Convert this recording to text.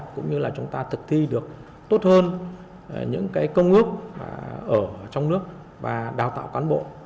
cũng như là chúng ta thực thi được tốt hơn những công ước ở trong nước và đào tạo cán bộ